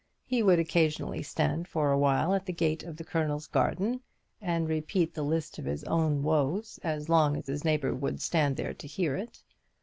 He would occasionally stand for a while at the gate of the Colonel's garden, and repeat the list of his own woes as long as his neighbour would stand there to hear it.